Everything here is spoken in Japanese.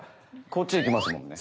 こっちへ行きますもんね。